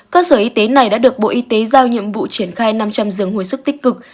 cơ sở y tế này đã được bộ y tế giao nhiệm vụ triển khai năm trăm linh giường hồi sức tích cực